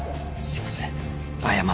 すいません